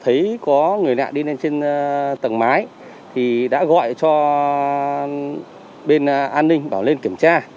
thấy có người lạ đi lên trên tầng mái thì đã gọi cho bên an ninh bảo lên kiểm tra